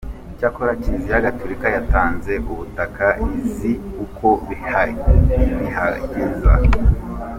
Cyakora Kiliziya Gaturika yatanze ubutaka izi uko bihagaze.